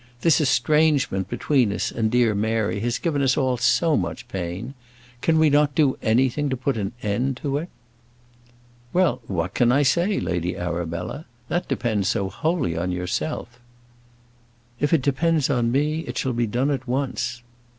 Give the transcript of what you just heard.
This estrangement between us and dear Mary has given us all so much pain. Cannot we do anything to put an end to it?" "Well, what can I say, Lady Arabella? That depends so wholly on yourself." "If it depends on me, it shall be done at once."